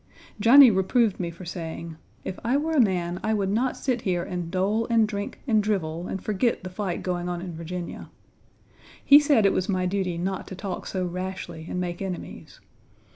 Johnny reproved me for saying, "If I were a man, I would not sit here and dole and drink and drivel and forget the fight going on in Virginia." He said it was my duty not to talk so rashly and make enemies.